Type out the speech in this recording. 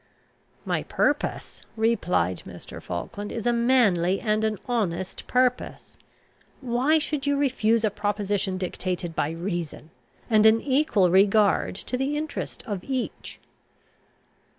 "My purpose," replied Mr. Falkland, "is a manly and an honest purpose. Why should you refuse a proposition dictated by reason, and an equal regard to the interest of each?"